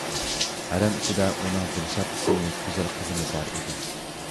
ھەرەم ئىچىدە ئۇنىڭ دىلشات ئىسىملىك گۈزەل قىزىمۇ بار ئىدى.